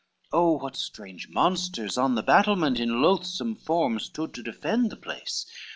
XXVIII Oh what strange monsters on the battlement In loathsome forms stood to defend the place?